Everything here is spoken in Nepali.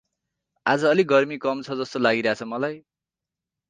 अाज अलि गर्मी कम छ जस्तो लागिराछ मलाई ।